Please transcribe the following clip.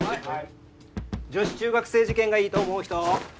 女子中学生事件がいいと思う人。